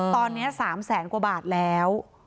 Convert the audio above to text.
ตอนนี้๓แสนกว่าบาทแล้ว